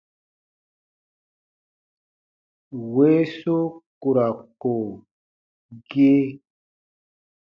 Weesu ku ra ko gee.